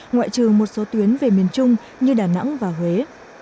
ngoại trừ một số tuyến về miền trung như đà nẵng và huế